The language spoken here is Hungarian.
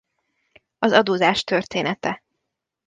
Az adózás története